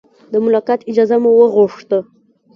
د ملاقات اجازه مو وغوښته.